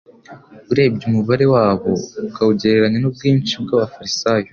Urebye umubare wabo ukawugereranya n'ubwinshi bw'abafarisayo,